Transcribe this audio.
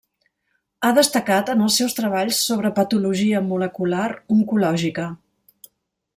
Ha destacat en els seus treballs sobre patologia molecular oncològica.